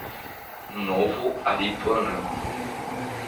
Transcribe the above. Novo Aripuanã